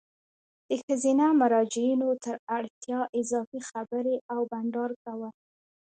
د ښځینه مراجعینو تر اړتیا اضافي خبري او بانډار کول